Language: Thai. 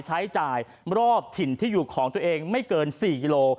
ใช้จ่ายรอบถิ่นที่อยู่ของตัวเองไม่เกิน๔กิโล